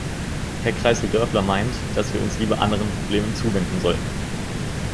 Herr Kreissl-Dörfler meint, dass wir uns lieber anderen Problemen zuwenden sollten.